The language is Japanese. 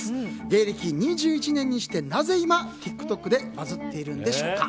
芸歴２１年にして、なぜ今ＴｉｋＴｏｋでバズっているんでしょうか。